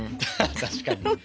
確かに。